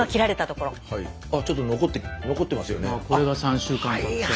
これが３週間たって。